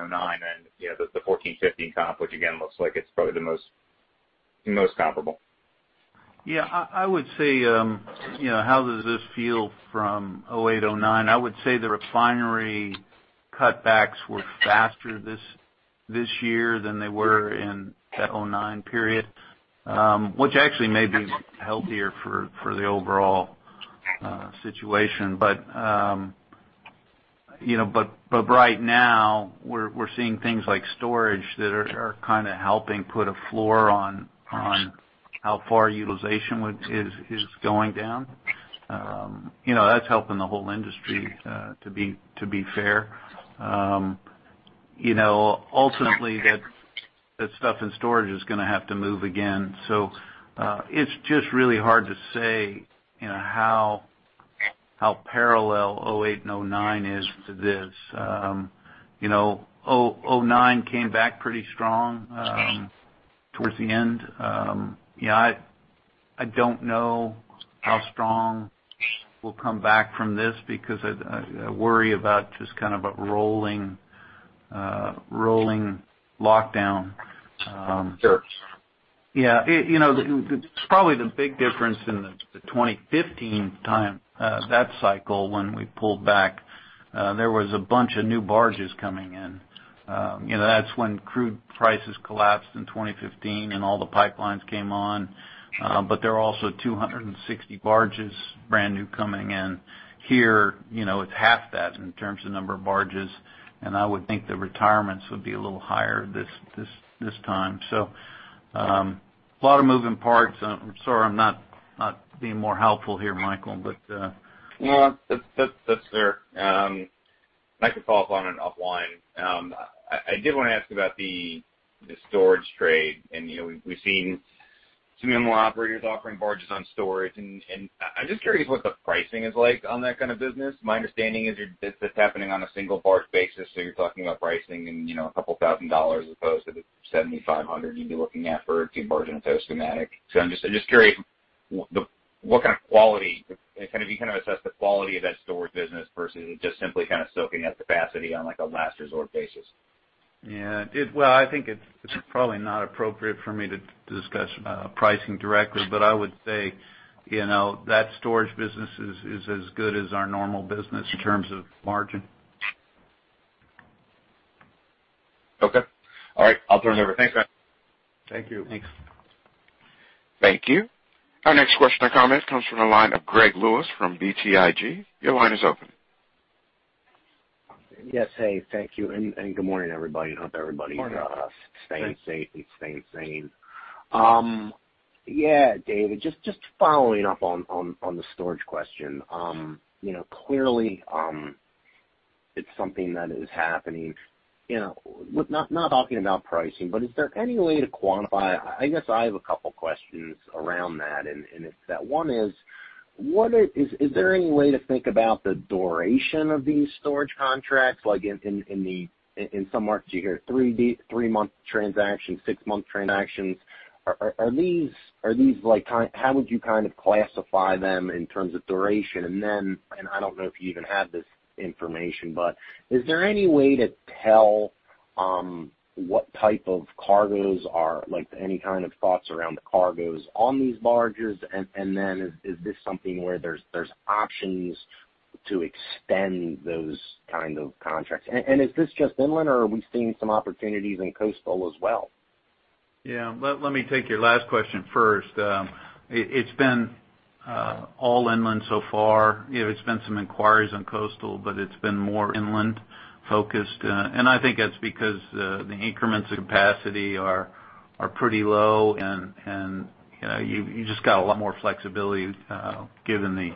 and the 2014, 2015 comp, which again, looks like it's probably the most comparable. Yeah, I would say, how does this feel from 2008, 2009? I would say the refinery cutbacks were faster this year than they were in that 2009 period, which actually may be healthier for the overall situation. Right now, we're seeing things like storage that are kind of helping put a floor on how far utilization is going down. That's helping the whole industry, to be fair. Ultimately, that stuff in storage is going to have to move again. It's just really hard to say how parallel 2008 and 2009 is to this. 2009 came back pretty strong towards the end. I don't know how strong we'll come back from this because I worry about just kind of a rolling lockdown. Sure. Yeah. It's probably the big difference in the 2015 time, that cycle when we pulled back, there was a bunch of new barges coming in. That's when crude prices collapsed in 2015 and all the pipelines came on. There were also 260 barges, brand new, coming in. Here, it's half that in terms of number of barges, and I would think the retirements would be a little higher this time. A lot of moving parts. I'm sorry I'm not being more helpful here, Michael. No, that's fair. I can follow up on it offline. I did want to ask about the storage trade, and we've seen some other operators offering barges on storage, and I'm just curious what the pricing is like on that kind of business. My understanding is this is happening on a single barge basis, so you're talking about pricing in a couple thousand dollars as opposed to the $7,500 you'd be looking at for a two-barge and a tow schematic. I'm just curious what kind of quality, can you kind of assess the quality of that storage business versus it just simply kind of soaking up capacity on a last resort basis? Yeah. Well, I think it's probably not appropriate for me to discuss pricing directly. I would say, that storage business is as good as our normal business in terms of margin. Okay. All right. I'll turn it over. Thanks, guys. Thank you. Thanks. Thank you. Our next question or comment comes from the line of Gregory Lewis from BTIG. Your line is open. Yes. Hey, thank you. Good morning, everybody. Morning. I hope everybody is staying safe and staying sane. David, just following up on the storage question. Clearly, it's something that is happening. Not talking about pricing, but I guess I have a couple questions around that, and it's that. One is there any way to think about the duration of these storage contracts? Like in some markets, you hear three-month transactions, six-month transactions. How would you kind of classify them in terms of duration? I don't know if you even have this information, but is there any way to tell what type of cargoes are, like, any kind of thoughts around the cargoes on these barges? Is this something where there's options to extend those kind of contracts? Is this just inland, or are we seeing some opportunities in coastal as well? Yeah. Let me take your last question first. It's been all inland so far. There's been some inquiries on coastal, but it's been more inland focused. I think that's because the increments of capacity are pretty low and you just got a lot more flexibility given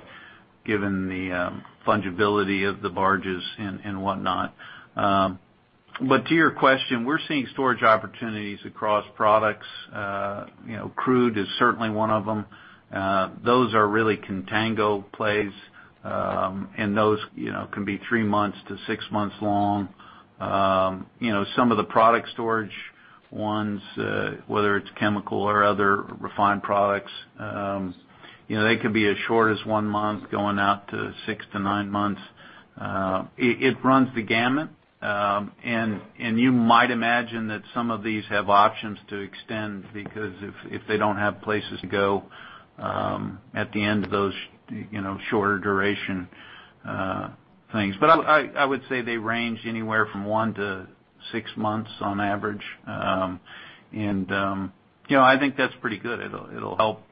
the fungibility of the barges and whatnot. To your question, we're seeing storage opportunities across products. Crude is certainly one of them. Those are really contango plays. Those can be three months to six months long. Some of the product storage ones, whether it's chemical or other refined products, they could be as short as one month going out to six to nine months. It runs the gamut. You might imagine that some of these have options to extend because if they don't have places to go at the end of those shorter duration things. I would say they range anywhere from one to six months on average. I think that's pretty good. It'll help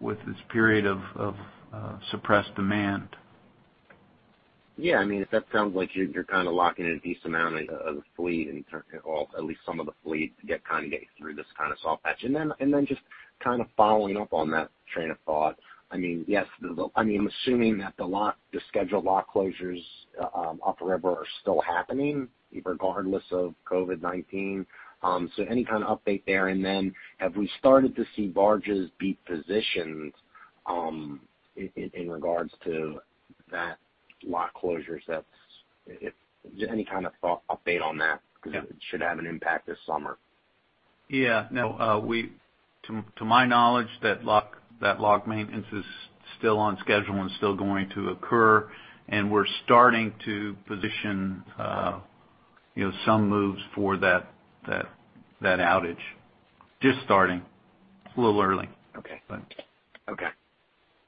with this period of suppressed demand. Yeah. That sounds like you're locking in a decent amount of the fleet, at least some of the fleet to get through this soft patch. Just following up on that train of thought, I'm assuming that the scheduled lock closures upriver are still happening regardless of COVID-19. Any kind of update there? Have we started to see barges be positioned, in regards to that lock closures? Any kind of update on that? Yeah. Because it should have an impact this summer. Yeah. To my knowledge, that lock maintenance is still on schedule and still going to occur. We're starting to position some moves for that outage. Just starting. It's a little early. Okay.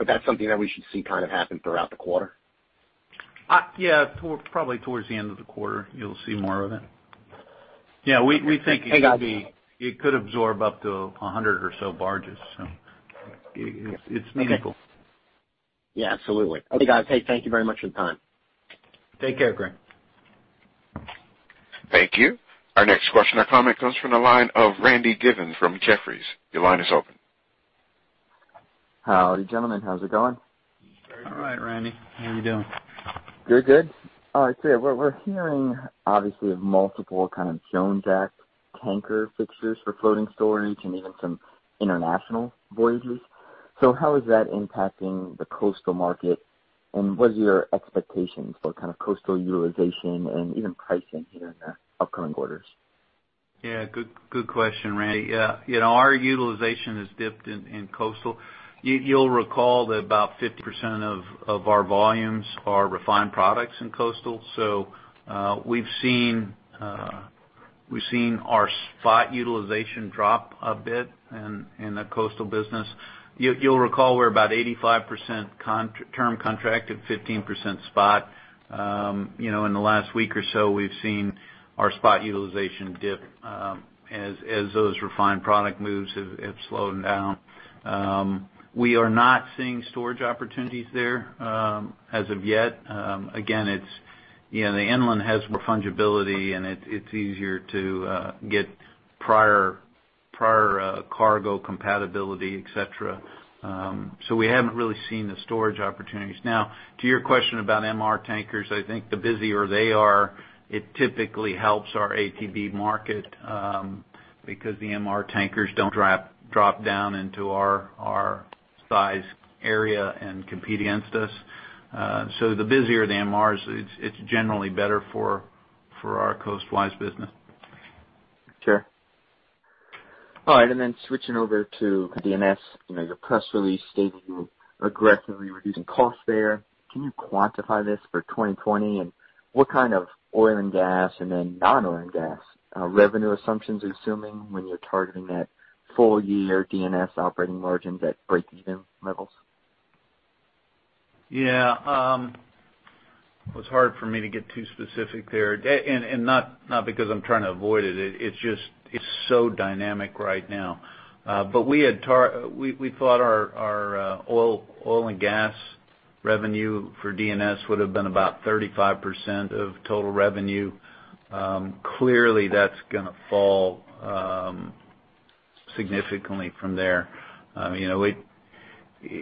That's something that we should see happen throughout the quarter? Yeah. Probably towards the end of the quarter you'll see more of it. Yeah. Okay, got it. We think it could absorb up to 100 or so barges. It's meaningful. Okay. Yeah, absolutely. Okay, guys. Hey, thank you very much for the time. Take care, Greg. Thank you. Our next question or comment comes from the line of Randy Giveans from Jefferies. Your line is open. Howdy, gentlemen. How's it going? Very good. All right, Randy. How are you doing? Good, good. All right, yeah, we're hearing obviously of multiple kind of Jones Act tanker fixtures for floating storage and even some international voyages. How is that impacting the coastal market, and what is your expectation for kind of coastal utilization and even pricing here in the upcoming quarters? Yeah. Good question, Randy. Our utilization has dipped in coastal. You'll recall that about 50% of our volumes are refined products in coastal. We've seen our spot utilization drop a bit in the coastal business. You'll recall we're about 85% term contract and 15% spot. In the last week or so, we've seen our spot utilization dip as those refined product moves have slowed down. We are not seeing storage opportunities there, as of yet. Again, the inland has more fungibility, and it's easier to get prior cargo compatibility, et cetera. We haven't really seen the storage opportunities. Now, to your question about MR tankers, I think the busier they are, it typically helps our ATB market, because the MR tankers don't drop down into our size area and compete against us. The busier the MRs, it's generally better for our coastwise business. Sure. All right, switching over to DNS. Your press release stated you were aggressively reducing costs there. Can you quantify this for 2020, and what kind of oil and gas and then non-oil and gas revenue assumptions are you assuming when you're targeting that full year DNS operating margins at breakeven levels? Yeah. It was hard for me to get too specific there, not because I'm trying to avoid it. It's so dynamic right now. We thought our oil and gas revenue for DNS would've been about 35% of total revenue. Clearly, that's going to fall significantly from there.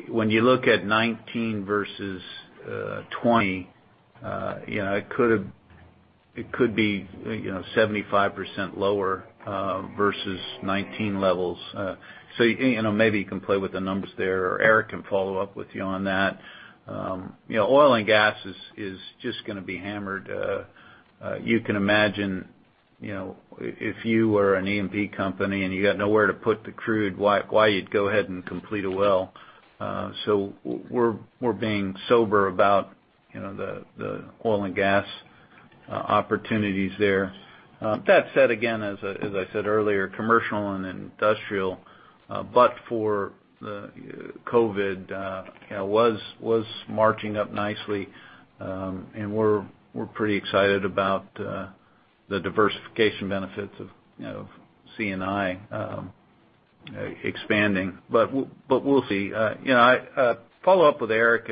When you look at 2019 versus 2020, it could be 75% lower versus 2019 levels. Maybe you can play with the numbers there, or Eric can follow up with you on that. Oil and gas is just going to be hammered. You can imagine if you were an E&P company and you got nowhere to put the crude, why you'd go ahead and complete a well. We're being sober about the oil and gas opportunities there. That said, again, as I said earlier, commercial and industrial, but for the COVID, was marching up nicely. We're pretty excited about the diversification benefits of C&I expanding. We'll see. Follow up with Eric,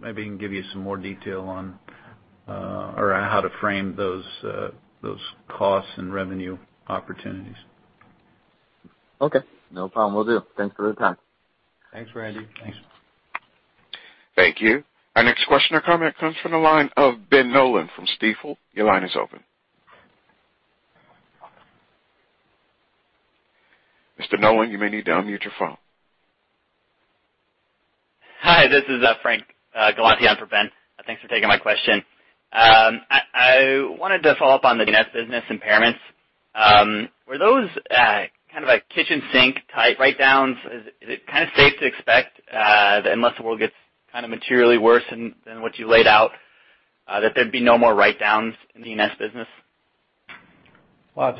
maybe he can give you some more detail on how to frame those costs and revenue opportunities. Okay. No problem, will do. Thanks for the time. Thanks, Randy. Thanks. Thank you. Our next question or comment comes from the line of Ben Nolan from Stifel. Your line is open. Mr. Nolan, you may need to unmute your phone. Hi, this is Frank Galanti for Ben. Thanks for taking my question. I wanted to follow up on the DNS business impairments. Were those kind of a kitchen sink type write-downs? Is it kind of safe to expect that unless the world gets materially worse than what you laid out, that there'd be no more write-downs in DNS business? Well,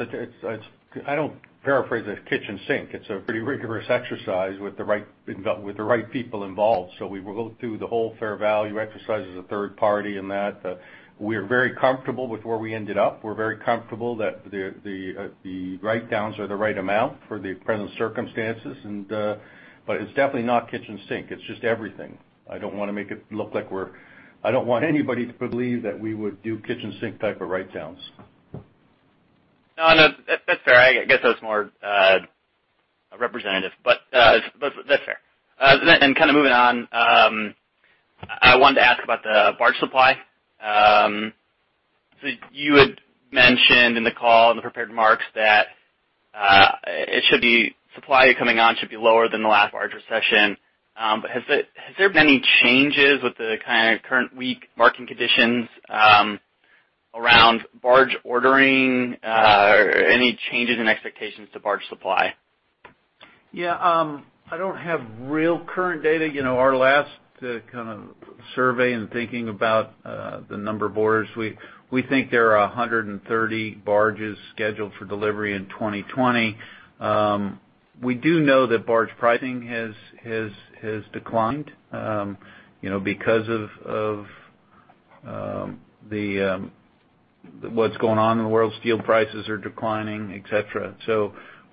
I don't paraphrase it kitchen sink. It's a pretty rigorous exercise with the right people involved. We go through the whole fair value exercise as a third party in that. We are very comfortable with where we ended up. We're very comfortable that the write-downs are the right amount for the present circumstances. It's definitely not kitchen sink. It's just everything. I don't want anybody to believe that we would do kitchen sink type of write-downs. No, that's fair. I guess that's more representative. That's fair. Kind of moving on, I wanted to ask about the barge supply. You had mentioned in the call, in the prepared remarks, that supply coming on should be lower than the last barge recession. Has there been any changes with the kind of current weak market conditions around barge ordering? Any changes in expectations to barge supply? Yeah. I don't have real current data. Our last kind of survey and thinking about the number of orders, we think there are 130 barges scheduled for delivery in 2020. We do know that barge pricing has declined because of what's going on in the world. Steel prices are declining, et cetera.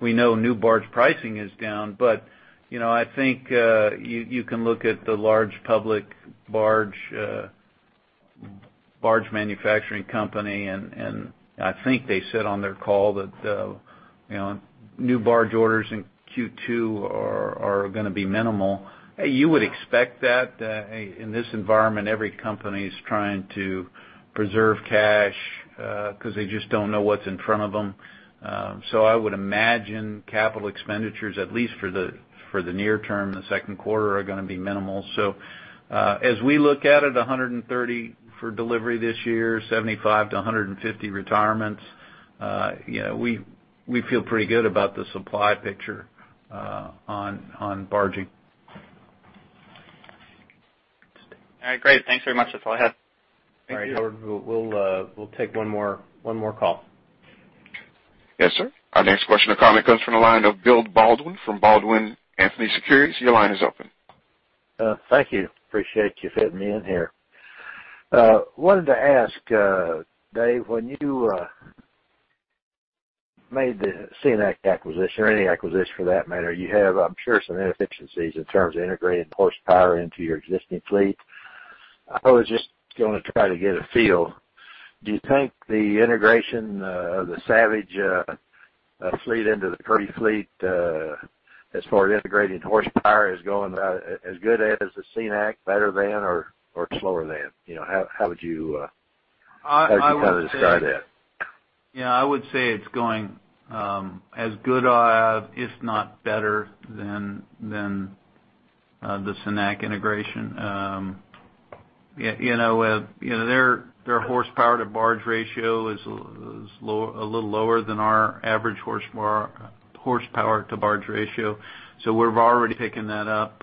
We know new barge pricing is down. I think you can look at the large public barge manufacturing company, and I think they said on their call that new barge orders in Q2 are going to be minimal. You would expect that in this environment. Every company's trying to preserve cash because they just don't know what's in front of them. I would imagine capital expenditures, at least for the near term, the second quarter, are going to be minimal. As we look at it, 130 for delivery this year, 75 to 150 retirements. We feel pretty good about the supply picture on barging. All right, great. Thanks very much. That is all I have. Thank you. All right, Howard. We will take one more call. Yes, sir. Our next question and comment comes from the line of Bill Baldwin from Baldwin Anthony Securities. Your line is open. Thank you. Appreciate you fitting me in here. Wanted to ask, Dave, when you made the Cenac acquisition, or any acquisition for that matter, you have, I'm sure, some inefficiencies in terms of integrating horsepower into your existing fleet. I was just going to try to get a feel. Do you think the integration of the Savage fleet into the Kirby fleet as far as integrating horsepower is going as good as the Cenac? Better than or slower than? How would you kind of describe that? Yeah, I would say it's going as good, if not better than the Cenac integration. Their horsepower to barge ratio is a little lower than our average horsepower to barge ratio. We're already picking that up.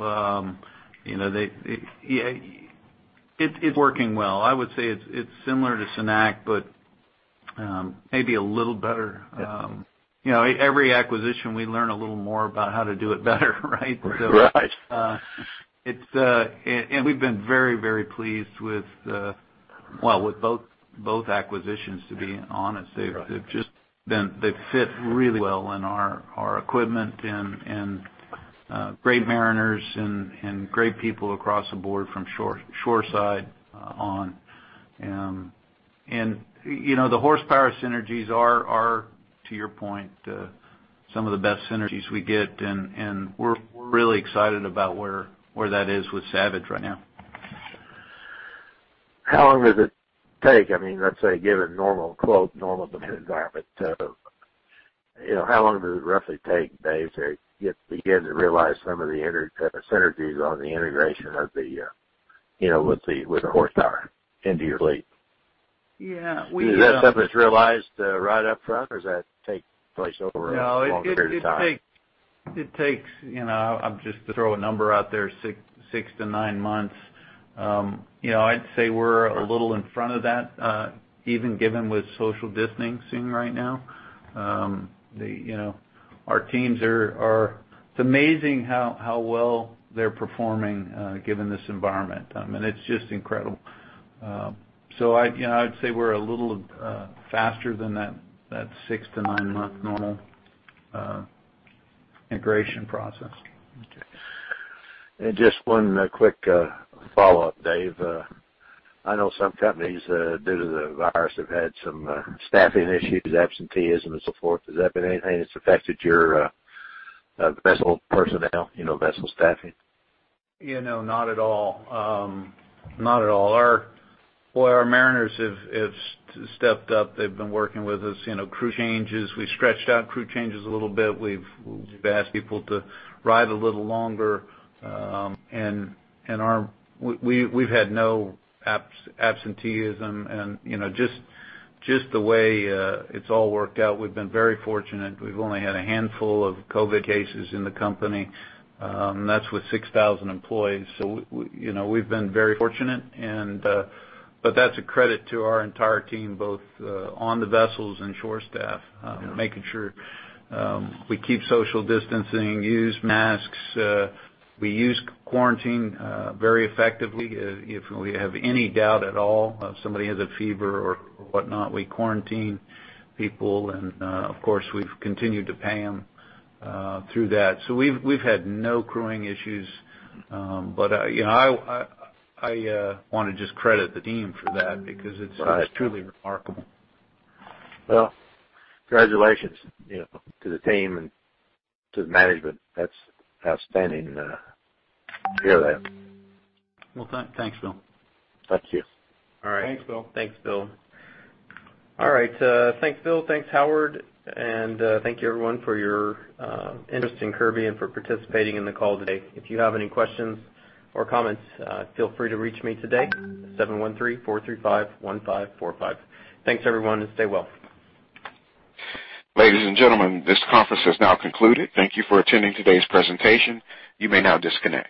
It's working well. I would say it's similar to Cenac, but maybe a little better. Yes. Every acquisition, we learn a little more about how to do it better, right? Right. We've been very pleased with, well, with both acquisitions, to be honest. They've fit really well in our equipment and great mariners and great people across the board from shoreside on. The horsepower synergies are, to your point, some of the best synergies we get, and we're really excited about where that is with Savage right now. How long does it take? Let's say given normal, quote, normal environment, how long does it roughly take, Dave, to begin to realize some of the synergies on the integration with the horsepower into your fleet? Yeah. Is that something that's realized right up front or does that take place over a longer period of time? It takes, I'm just to throw a number out there, six to nine months. I'd say we're a little in front of that even given with social distancing right now. It's amazing how well they're performing given this environment. It's just incredible. I'd say we're a little faster than that six to nine-month normal integration process. Okay. Just one quick follow-up, Dave. I know some companies, due to the virus, have had some staffing issues, absenteeism and so forth. Has that been anything that's affected your vessel personnel, vessel staffing? Not at all. Not at all. Our mariners have stepped up. They've been working with us. Crew changes, we've stretched out crew changes a little bit. We've asked people to ride a little longer. We've had no absenteeism and just the way it's all worked out, we've been very fortunate. We've only had a handful of COVID cases in the company, and that's with 6,000 employees. We've been very fortunate. That's a credit to our entire team, both on the vessels and shore staff, making sure we keep social distancing, use masks. We use quarantine very effectively. If we have any doubt at all, if somebody has a fever or whatnot, we quarantine people. Of course, we've continued to pay them through that. We've had no crewing issues. I want to just credit the team for that because it's truly remarkable. Well, congratulations to the team and to the management. That's outstanding to hear that. Well, thanks, Bill. Thank you. All right. Thanks, Bill. Thanks, Bill. All right. Thanks, Bill. Thanks, Howard. Thank you everyone for your interest in Kirby and for participating in the call today. If you have any questions or comments, feel free to reach me today at seven one three four three five one five four five. Thanks everyone, and stay well. Ladies and gentlemen, this conference has now concluded. Thank you for attending today's presentation. You may now disconnect.